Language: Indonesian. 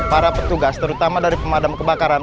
para petugas terutama dari pemadam kebakaran